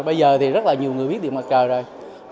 bây giờ thì rất là nhiều người biết điện mặt trời rồi